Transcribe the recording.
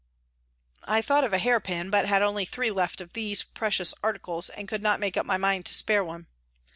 I thought of a hairpin but had only three left of these precious articles and could not make up my mind to spare one.